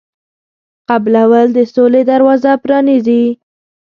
قبلول د سولې دروازه پرانیزي.